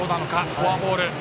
フォアボール。